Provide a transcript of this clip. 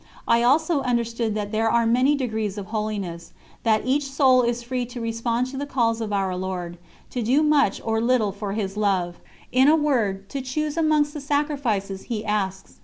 I also understood that there are many degrees of holiness, that each soul is free to respond to the calls of Our Lord, to do much or little for His Love in a word, to choose amongst the sacrifices He asks.